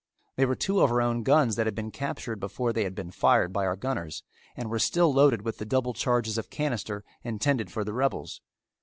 They were two of our own guns that had been captured before they had been fired by our gunners and were still loaded with the double charges of canister intended for the rebels.